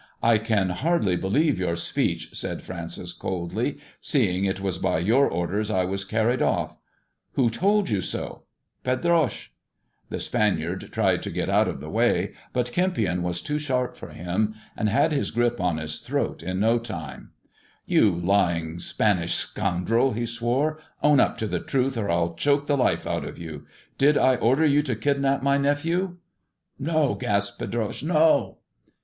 " I can hardly believe your speech," said Francis coldly, Seeing it wae by your orders I was carried off." Who told you so 1 "*' Pedroche !" The Spaniard tried to get out of the way, but Kempion ''&a too sharp for him, and had bia grip on his throat in no "'Toaljing Spanish scouadcell"* " You lying Spanish scoundrel I " he swore, " own up <> the truth, or I'll choke the life out of you ! Did I order P'vu to kidnap my nephew 1 " "Not" gasped Pedroche. "No!"